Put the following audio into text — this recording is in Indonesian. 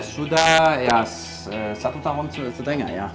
sudah satu tahun setengah ya